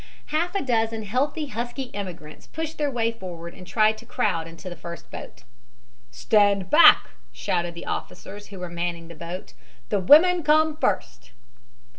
Half a dozen healthy, husky immigrants pushed their way forward and tried to crowd into the first boat. "Stand back," shouted the officers who were manning the boat. "The women come first."